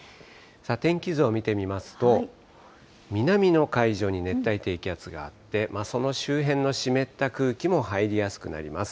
天気図を見てみますと、南の海上に熱帯低気圧があって、その周辺の湿った空気も入りやすくなります。